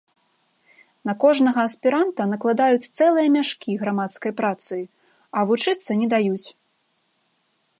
На кожнага аспіранта накладаюць цэлыя мяшкі грамадскай працы, а вучыцца не даюць.